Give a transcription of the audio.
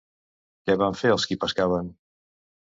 Què van fer els qui pescaven?